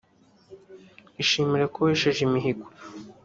ishimire ko wesheje imihigo